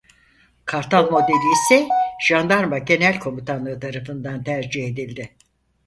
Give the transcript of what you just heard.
Kartal modeli ise Jandarma Genel Komutanlığı tarafından tercih edildi.